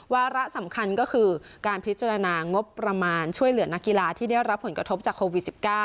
วาระสำคัญก็คือการพิจารณางบประมาณช่วยเหลือนักกีฬาที่ได้รับผลกระทบจากโควิด๑๙